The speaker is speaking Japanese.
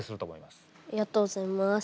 ありがとうございます。